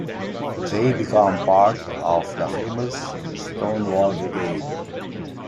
They become part of the famous Stonewall Brigade.